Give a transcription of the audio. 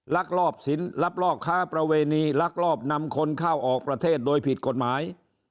ลักลอบสินลักลอบค้าประเวณีลักลอบนำคนเข้าออกประเทศโดยผิดกฎหมาย